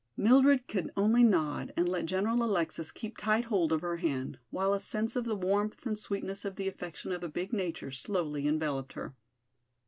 Mildred could only nod and let General Alexis keep tight hold of her hand, while a sense of the warmth and sweetness of the affection of a big nature slowly enveloped her.